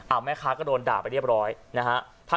แม่ค้าก็โดนด่าไปเรียบร้อยนะฮะ